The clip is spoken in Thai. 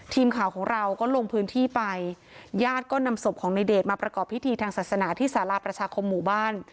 ทีมข่าวของเราก็ลงพื้นที่ไปญาติก็นำศพของในเดชมาประกอบพิธีทางศาสนาที่สาราประชาคมหมู่บ้าน